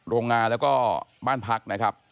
โรงงานแล้วก็บ้านพักนะครับ